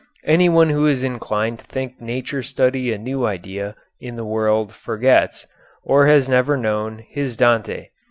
Anyone who is inclined to think nature study a new idea in the world forgets, or has never known, his Dante.